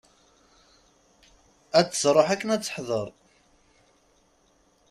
Ad d-truḥ akken ad teḥder.